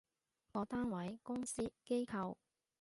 各單位，公司，機構